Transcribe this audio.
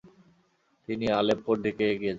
তিনি আল্লেপোর দিএক এগিয়ে যান।